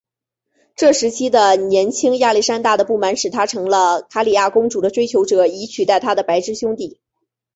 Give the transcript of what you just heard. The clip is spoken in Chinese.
这时期的年轻亚历山大的不满使他成了卡里亚公主的追求者以取代他的白痴兄弟。